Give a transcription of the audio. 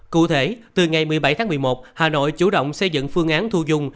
cụ thể từ ngày một mươi bảy tháng một mươi một hà nội chủ động xây dựng phương án thu dung